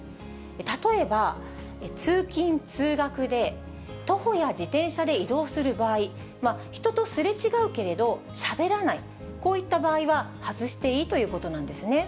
例えば、通勤・通学で、徒歩や自転車で移動する場合、人とすれ違うけれど、しゃべらない、こういった場合は外していいということなんですね。